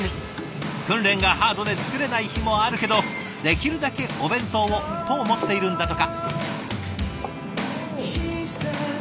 訓練がハードで作れない日もあるけどできるだけお弁当をと思っているんだとか。